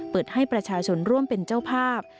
เปิดให้ประชาชนร่วมเป็นเจ้าภาพ